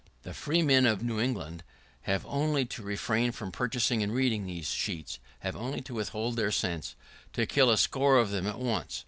The free men of New England have only to refrain from purchasing and reading these sheets, have only to withhold their cents, to kill a score of them at once.